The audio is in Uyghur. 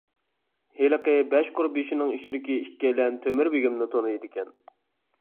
ھېلىقى بەش قۇر بېشىنىڭ ئىچىدىكى ئىككىيلەن تۆمۈر بېگىمنى تونۇيدىكەن.